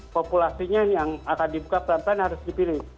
populasinya yang akan dibuka pelan pelan harus dipilih